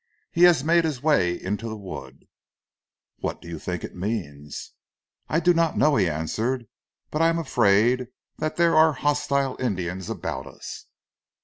He has made his way into the wood." "What do you think it means?" "I do not know," he answered, "but I am afraid that there are hostile Indians about us."